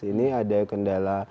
ini ada kendala